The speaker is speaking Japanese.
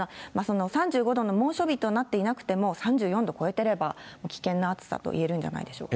３５度の猛暑日となっていなくても、３４度超えてれば危険な暑さといえるんじゃないでしょうか。